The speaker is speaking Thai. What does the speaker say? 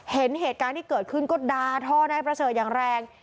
เห็นเหตุการณ์ที่เกิดขึ้นก็ดาท่อนายประเสริฐอย่างแรง